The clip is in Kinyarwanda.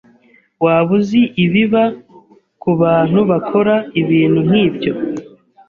Waba uzi ibiba kubantu bakora ibintu nkibyo?